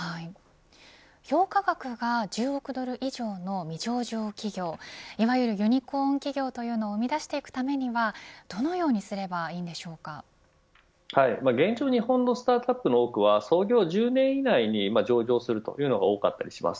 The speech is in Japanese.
評価額が１０億ドル以上の未上場企業いわゆるユニコーン企業というのを生み出していくためにはどのように現状、日本のスタートアップの多くは創業１０年以内に上場するというのが多かったりします。